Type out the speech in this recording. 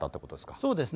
そうですね。